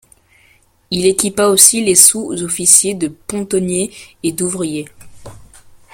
Il équipa aussi les sous officiers de pontonniers et d'ouvriers.